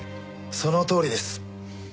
そのとおりです。